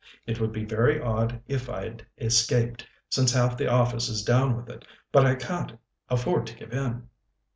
"It would be very odd if I'd escaped, since half the office is down with it. But I can't afford to give in."